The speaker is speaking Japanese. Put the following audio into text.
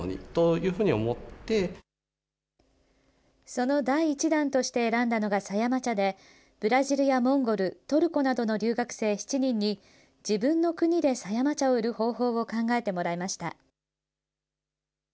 その第１弾として選んだのが狭山茶で、ブラジルやモンゴル、トルコなどの留学生７人に、自分の国で狭山茶を売る方法を考えてもらいました。